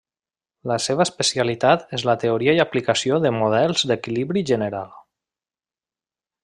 La seva especialitat és la teoria i aplicació de models d'equilibri general.